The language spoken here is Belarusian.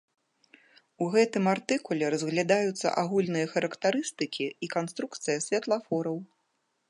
У гэтым артыкуле разглядаюцца агульныя характарыстыкі і канструкцыя святлафораў.